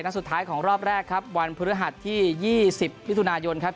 สุดท้ายของรอบแรกครับวันพฤหัสที่๒๐มิถุนายนครับ